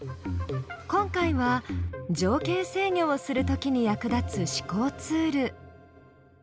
今回は条件制御をするときに役立つ思考ツール。